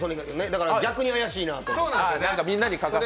だから、逆に怪しいなと思って。